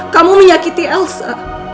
kamu menyakiti elsa